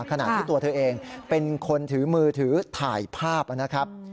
ขณะที่ตัวเธอเองเป็นคนถือมือถือถ่ายภาพนะครับ